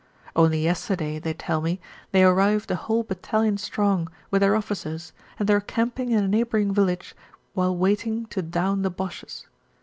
Only yesterday, they tell me, they arrived a whole battalion strong, with their officers, and they are camping in a neighbouring village while waiting to "down" the Boches.